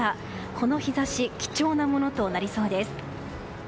この日差し貴重なものとなりそうです。